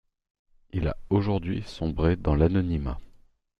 Il a aujourd’hui sombré dans l'anonymat.